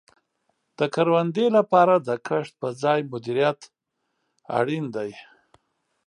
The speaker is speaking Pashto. د کروندې لپاره د کښت په ځای مدیریت اړین دی.